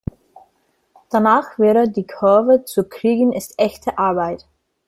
Danach wieder die Kurve zu kriegen ist echte Arbeit!